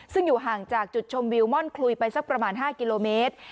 ซึ่งอยู่ห่างจากจุดชมวิวม่อนคลุยไปสักประมาณ๕กิโลเมตร